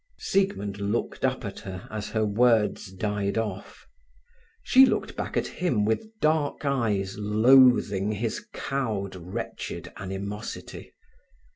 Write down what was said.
Siegmund looked up at her as her words died off. She looked back at him with dark eyes loathing his cowed, wretched animosity.